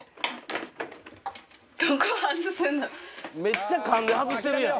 「めっちゃ勘で外してるやん」